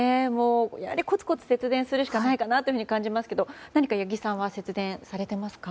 コツコツ節電するしかないかなと感じますが何か、八木さんは節電されていますか。